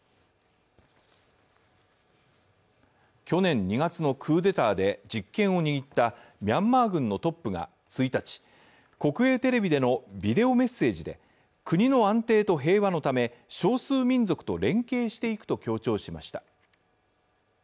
去年２月のクーデターで実権を握ったミャンマー軍のトップが１日国営テレビでのビデオメッセージで国の安定と平和のため少数民族と連携していくと強調しました。